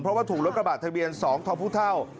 เพราะว่าถูกรถกระบาดทะเบียน๒ทพเท่า